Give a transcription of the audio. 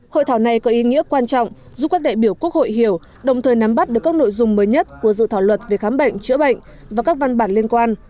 hội thảo này có ý nghĩa quan trọng giúp các đại biểu quốc hội hiểu đồng thời nắm bắt được các nội dung mới nhất của dự thảo luật về khám bệnh chữa bệnh và các văn bản liên quan